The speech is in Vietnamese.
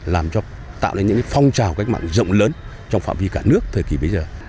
làm cho tạo nên những phong trào cách mạng rộng lớn trong phạm vi cả nước thời kỳ bây giờ